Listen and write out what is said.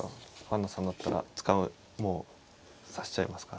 環那さんだったらもう指しちゃいますか？